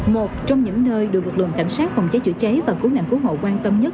một trong những nơi được lực lượng cảnh sát phòng cháy chữa cháy và cứu nạn cứu hộ quan tâm nhất